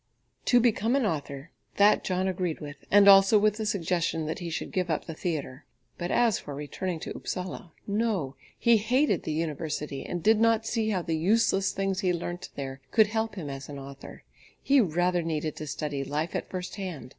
To become an author, that John agreed with, and also with the suggestion that he should give up the theatre; but as for returning to Upsala, no! He hated the university, and did not see how the useless things one learnt there could help him as an author; he rather needed to study life at first hand.